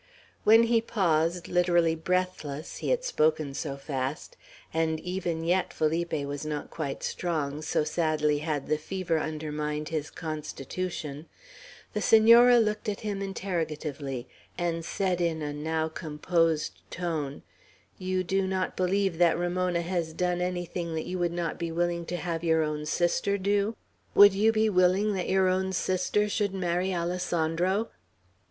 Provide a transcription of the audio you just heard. When he paused, literally breathless, he had spoken so fast, and even yet Felipe was not quite strong, so sadly had the fever undermined his constitution, the Senora looked at him interrogatively, and said in a now composed tone: "You do not believe that Ramona has done anything that you would not be willing to have your own sister do? Would you be willing that your own sister should marry Alessandro?"